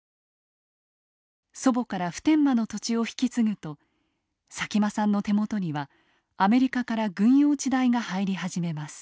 祖母から普天間の土地を引き継ぐと佐喜眞さんの手元にはアメリカから軍用地代が入り始めます。